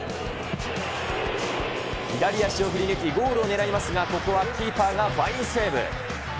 左足を振り抜きゴールを狙いますが、ここはキーパーがファインセーブ。